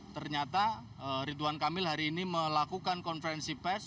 ternyata ridwan kamil hari ini melakukan konferensi pes